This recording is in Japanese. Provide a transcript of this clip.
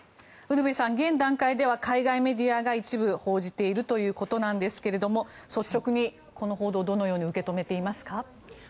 ウルヴェさん、現段階では海外メディアが一部、報じているということなんですが率直に、この報道どのように受け止めていますか。